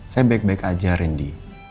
saya baik baik aja randy